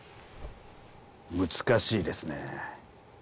難しいですねえ。